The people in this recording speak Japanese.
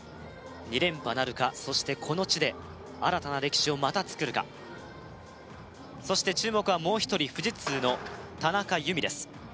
２連覇なるかそしてこの地で新たな歴史をまたつくるかそして注目はもう一人富士通の田中佑美です